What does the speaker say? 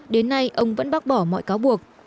đến nay ông vẫn bác bỏ mọi cáo buộc